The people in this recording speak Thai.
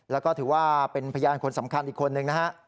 แล้วก็ถือว่าเป็นพยานคนสำคัญอีกคนนึงนะฮะ